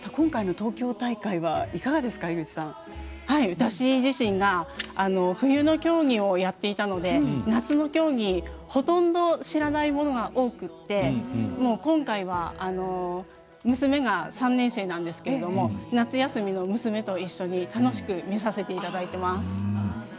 私自身が、冬の競技をやっていたので夏の競技を知らないものが多くて今回は、娘が３年生なんですけれども夏休みの娘と一緒に楽しく見させていただいております。